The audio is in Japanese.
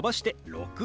６。